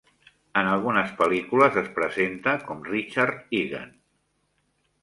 En algunes pel·lícules es presenta com Richard Eagan.